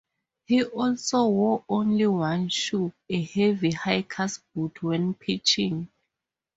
He also wore only one shoe-a heavy hiker's boot-when pitching.